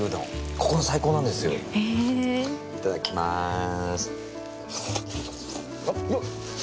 ここの最高なんですよへえいただきまーす熱っ！